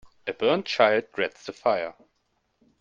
A burnt child dreads the fire.